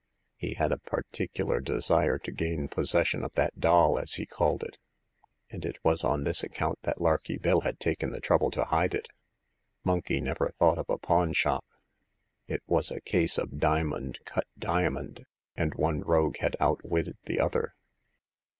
He had a particular desire to gain possession of that doll, as he called it ; and it was on this account that Larky Bill had taken the trouble to hide it. Monkey never thought of a pawn shop. It was a case of diamond cut diamond ; and one rogue had outwitted the other.